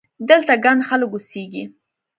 دلته ګڼ خلک اوسېږي!